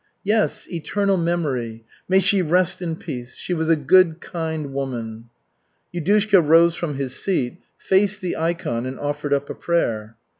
"Yes, eternal memory! May she rest in peace. She was a good, kind woman." Yudushka rose from his seat, faced the ikon and offered up a prayer.